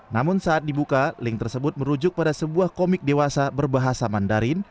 namun saat dibuka link tersebut merujuk pada sebuah komik dewasa berbahasa mandarin